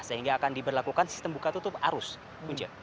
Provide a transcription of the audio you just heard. sehingga akan diberlakukan sistem buka tutup arus punca